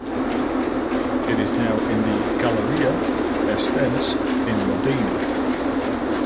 It is now in the Galleria Estense in Modena.